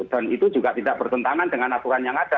dan itu juga tidak bertentangan dengan aturan yang ada